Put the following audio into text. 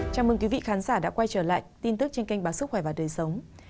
chào mừng quý vị khán giả đã quay trở lại tin tức trên kênh báo sức khỏe và đời sống